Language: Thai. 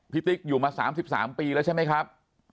ติ๊กอยู่มา๓๓ปีแล้วใช่ไหมครับ